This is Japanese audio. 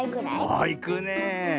ああいくねえ。